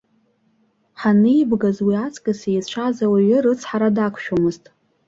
Ҳанеибгаз уи аҵкыс еицәаз ауаҩы рыцҳара дақәшәомызт.